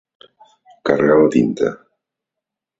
Carregar la tinta.